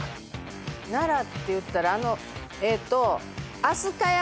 奈良っていったらあのえっと。